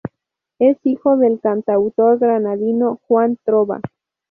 Es hijo del cantautor granadino Juan Trova.